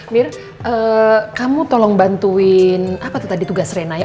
mir kamu tolong bantuin apa tuh tadi tugas rena ya